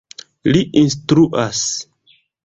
Li instruas.